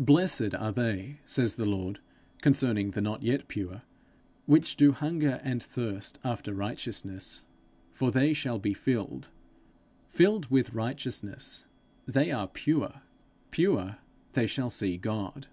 'Blessed are they,' says the Lord, concerning the not yet pure, 'which do hunger and thirst after righteousness, for they shall be filled.' Filled with righteousness, they are pure; pure, they shall see God.